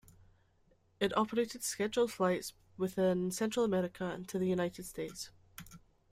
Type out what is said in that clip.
It operated scheduled flights within Central America and to the United States.